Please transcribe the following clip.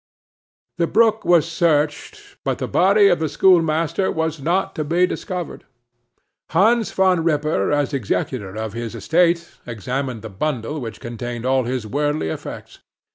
The brook was searched, but the body of the schoolmaster was not to be discovered. Hans Van Ripper as executor of his estate, examined the bundle which contained all his worldly effects.